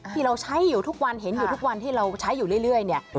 ที่เราใช้อยู่ทุกวันเห็นอยู่ทุกวันที่เราใช้อยู่เรื่อยเนี่ย